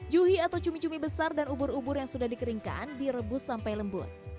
juhi atau cumi cumi besar dan ubur ubur yang sudah dikeringkan direbus sampai lembut